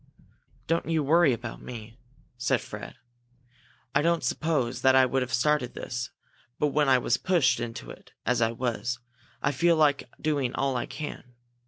"Don't you worry about me!" said Fred. "I don't suppose that I would have started this, but when I was pushed into it as I was, I feel like doing all I can.